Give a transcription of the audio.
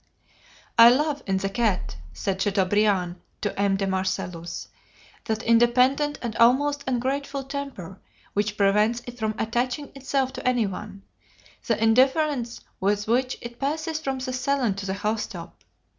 "I love in the cat," said Chateaubriand to M. de Marcellus, "that independent and almost ungrateful temper which prevents it from attaching itself to any one: the indifference with which it passes from the salon to the house top.